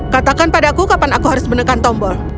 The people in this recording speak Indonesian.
katakan pada aku kapan aku harus menekan tombol